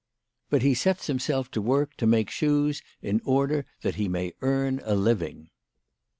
But he sets himself to work to make shoes* in order that he may earn a living.